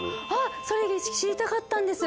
それ知りたかったんです。